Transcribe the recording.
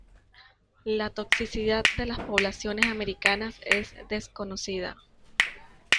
La toxicidad de las poblaciones americanas es desconocida.